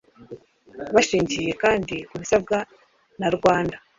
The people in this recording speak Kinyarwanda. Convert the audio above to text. bashingiye kandi ku bisabwa na rwanda